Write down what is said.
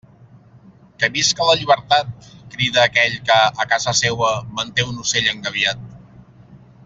Que visca la llibertat, crida aquell que, a casa seua, manté un ocell engabiat.